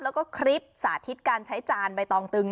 แล้วก็คลิปสาธิตการใช้จานใบตองตึง